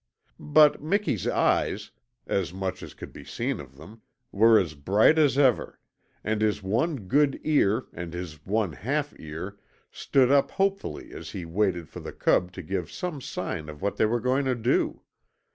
But Miki's eyes as much as could be seen of them were as bright as ever, and his one good ear and his one half ear stood up hopefully as he waited for the cub to give some sign of what they were going to do.